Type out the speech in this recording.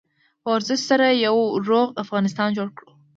په ورزش سره یو روغ افغانستان جوړ کړو.